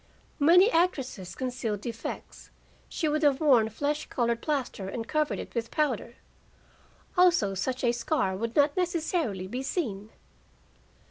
"Many actresses conceal defects. She could have worn flesh colored plaster and covered it with powder. Also, such a scar would not necessarily be seen."